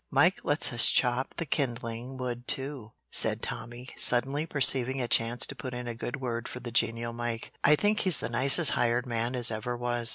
"Mike lets us chop the kindling wood, too," said Tommy, suddenly perceiving a chance to put in a good word for the genial Mike. "I think he's the nicest hired man as ever was."